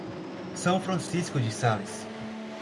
São Francisco de Sales